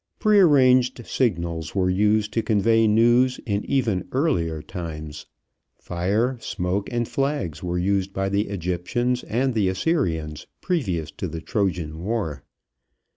Prearranged signals were used to convey news in even earlier times. Fire, smoke, and flags were used by the Egyptians and the Assyrians previous to the Trojan War.